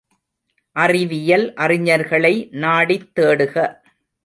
அறிவியல் அறிஞர்களை நாடித் தேடுக!